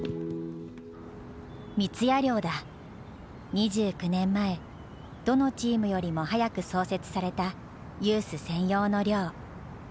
２９年前どのチームよりも早く創設されたユース専用の寮。